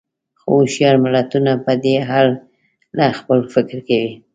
خو هوښیار ملتونه په دې اړه خپل فکر کوي.